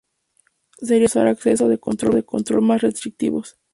Sería deseable usar accesos de control más restrictivos.